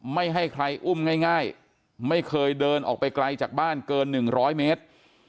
ไม่ให้ใครอุ้มง่ายไม่เคยเดินออกไปไกลจากบ้านเกิน๑๐๐เมตร